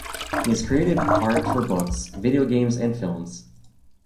He has created art for books, video games and films.